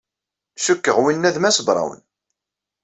Cikkeɣ winna d Mass Brown.